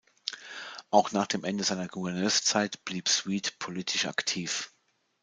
Auch nach dem Ende seiner Gouverneurszeit blieb Sweet politisch aktiv.